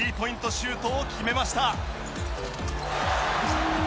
シュートを決めました。